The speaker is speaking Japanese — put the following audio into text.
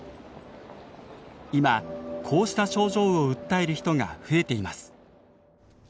今こうした症状を訴える人が増えています。